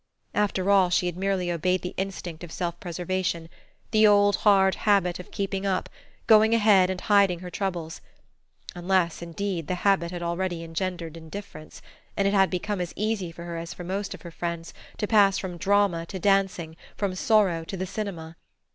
After all, she had merely obeyed the instinct of self preservation, the old hard habit of keeping up, going ahead and hiding her troubles; unless indeed the habit had already engendered indifference, and it had become as easy for her as for most of her friends to pass from drama to dancing, from sorrow to the cinema.